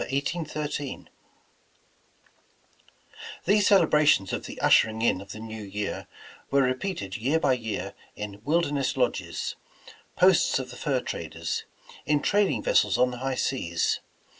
200 Despatches to Mr. Astor These celebrations of the ushering in cf the New Year were repeated year by year in wilderness lodges; posts of the fur traders; in trading vessels on the high seas.